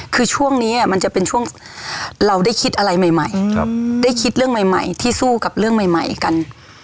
คือช่วงนี้มันจะเป็นช่วงเราได้คิดอะไรใหม่ได้คิดเรื่องใหม่ที่สู้กับเรื่องใหม่กัน